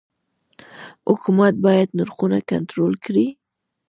حکومت باید نرخونه کنټرول کړي؟